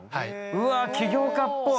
うわ起業家っぽい。